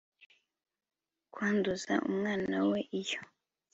kwanduza umwana we Iyo